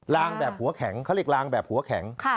ลางแบบหัวแข็งเขาเรียกลางแบบหัวแข็ง